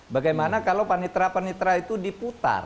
bagaimana kalau panitera panitera itu diputar